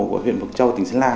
của huyện bậc châu tỉnh sơn la